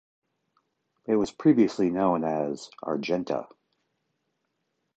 It was previously known as Argenta.